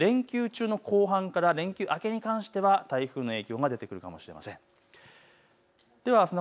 連休中の後半から連休明けに関しては台風の影響が出てくるかもしれません。